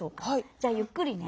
じゃあゆっくりね。